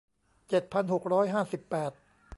เจ็ดพันหกร้อยห้าสิบแปด